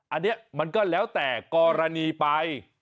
อันนี้มันก็แล้วแต่กรณีไป